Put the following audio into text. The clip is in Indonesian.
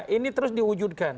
ini terus diwujudkan